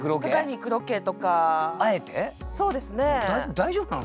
大丈夫なの？